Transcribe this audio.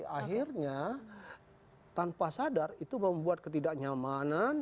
akhirnya tanpa sadar itu membuat ketidaknyamanan